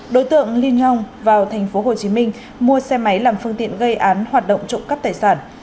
đối tượng liên trong vào thành phố hồ chí minh mua xe máy làm phương tiện gây án hoạt động trộm cắp tài sản